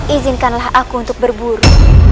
izinkanlah aku untuk berburu